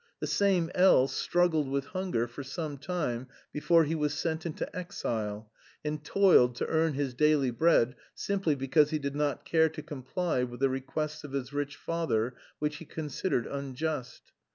The same L n struggled with hunger for some time before he was sent into exile, and toiled to earn his daily bread simply because he did not care to comply with the requests of his rich father, which he considered unjust.